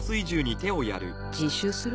自首する？